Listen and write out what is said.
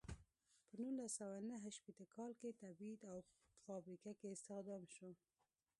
په نولس سوه نهه شپیته کال کې تبعید او په فابریکه کې استخدام شو.